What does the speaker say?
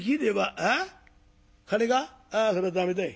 ああそれは駄目だい。